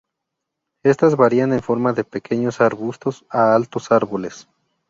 Estas varían en forma de pequeños arbustos a altos árboles.